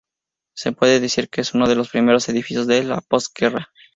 Se puede decir que es uno de los primeros edificios de la postguerra.